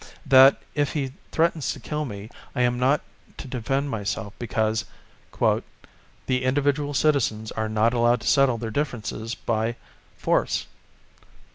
That if he threatens to kill me, I am not to defend myself, because "the individual citizens are not allowed to settle their differences by force?"